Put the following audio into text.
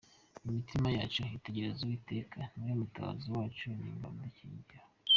Imitima yacu itegereza Uwiteka, Ni we mutabazi wacu n’ingabo idukingira.